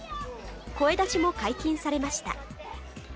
声出しも解禁されました。